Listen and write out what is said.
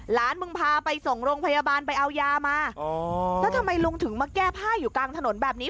หลานมึงพาไปส่งโรงพยาบาลไปเอายามาอ๋อแล้วทำไมลุงถึงมาแก้ผ้าอยู่กลางถนนแบบนี้